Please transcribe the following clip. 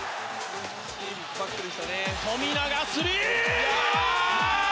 富永、スリー！